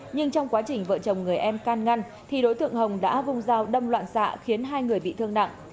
nhưng trong quá trình vợ chồng người em can ngăn thì đối tượng hồng đã vùng dao đâm loạn xạ khiến hai người bị thương nặng